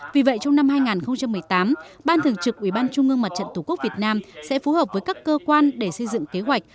vì vậy trong năm hai nghìn một mươi tám ban thường trực ubnd tp hà nội sẽ phù hợp với các cơ quan để xây dựng kế hoạch